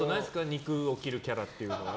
肉を切るキャラっていうのは。